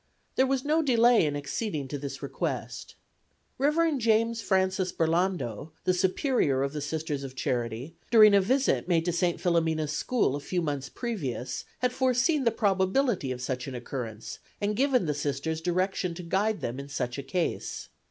There was no delay in acceding to this request. Rev. James Francis Burlando, the Superior of the Sisters of Charity, during a visit made to St. Philomena's School a few months previous had forseen the probability of such an occurrence and given the Sisters directions to guide them in such a case.